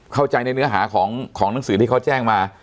เข้าใจในเนื้อหาของหนังสือที่เขาแจ้งมา